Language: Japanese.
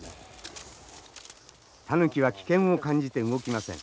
タヌキは危険を感じて動きません。